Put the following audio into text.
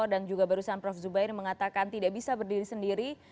dan juga barusan prof zubair mengatakan tidak bisa berdiri sendiri